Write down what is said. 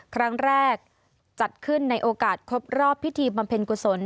ครั้งแรกจัดขึ้นในโอกาสครบรอบพิธีบำเพ็ญกุศล